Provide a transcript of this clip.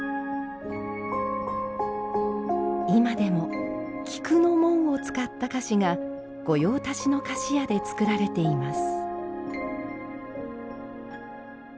今でも菊の紋を使った菓子が御用達の菓子屋で作られています。